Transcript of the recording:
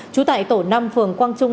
chú tại tổ năm phường quang trung